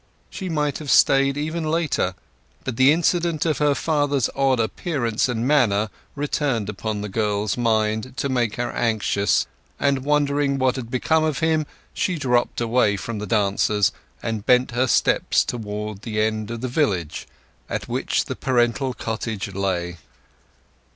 She might have stayed even later, but the incident of her father's odd appearance and manner returned upon the girl's mind to make her anxious, and wondering what had become of him she dropped away from the dancers and bent her steps towards the end of the village at which the parental cottage lay.